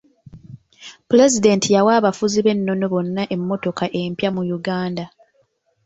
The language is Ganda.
Pulezidenti yawa abafuzi b'ennono bonna emmotoka empya mu Uganda.